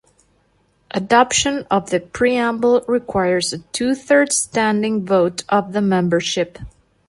Adoption of the preamble requires a two-thirds standing vote of the membership.